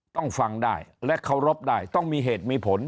ต้องฟังได้และเคารพได้ต้องมีเหตุมีผล